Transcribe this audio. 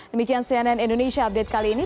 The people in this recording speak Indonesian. demikian cnn indonesia update kali ini